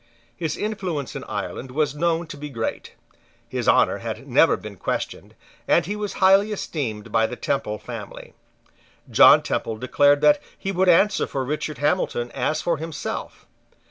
His influence in Ireland was known to be great: his honour had never been questioned; and he was highly esteemed by the Temple family. John Temple declared that he would answer for Richard Hamilton as for himself.